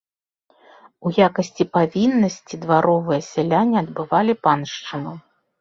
У якасці павіннасці дваровыя сяляне адбывалі паншчыну.